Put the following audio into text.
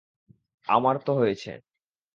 আমার তো হয়েছে।